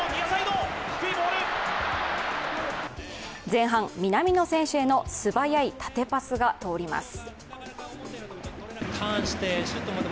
前半、南野選手への素早い縦パスが通ります。